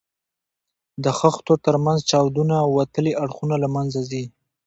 د خښتو تر منځ چاودونه او وتلي اړخونه له منځه ځي.